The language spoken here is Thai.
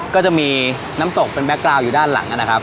ก็จะมีน้ำตกเป็นแก๊กกราวอยู่ด้านหลังนะครับ